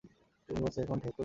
তুমি বসের account hack করেছ?